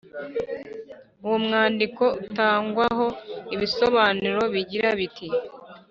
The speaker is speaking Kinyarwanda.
uwo mwandiko utangwaho ibisobanuro bigira biti